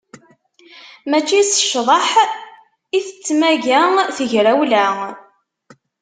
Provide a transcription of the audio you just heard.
Mačči s ccḍeḥ i tettmaga tegrawla.